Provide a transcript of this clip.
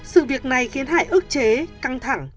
sự việc này khiến hải ức chế căng thẳng